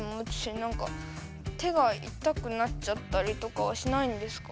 何か手が痛くなっちゃったりとかはしないんですか？